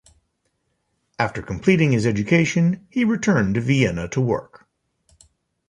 After completing his education, he returned to Vienna to work.